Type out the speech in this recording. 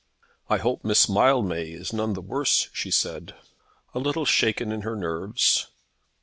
"I hope Miss Mildmay is none the worse," she said. "A little shaken in her nerves."